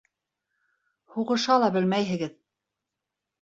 Һуғыша ла белмәйһегеҙ.